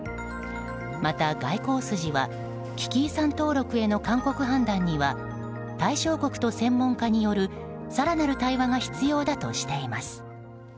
また、外交筋は危機遺産登録への勧告判断は対象国と専門家による更なる対話が必要だとしています。